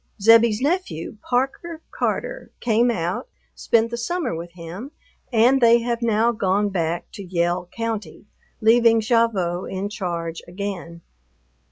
Zebbie's nephew, Parker Carter, came out, spent the summer with him, and they have now gone back to Yell County, leaving Gavotte in charge again.